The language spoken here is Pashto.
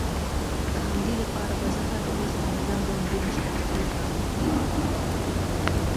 د همدې لپاره به زه هره ورځ په منظم ډول دېرش دقيقې کار وکړم.